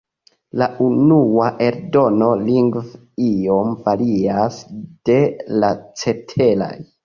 La unua eldono lingve iom varias de la ceteraj.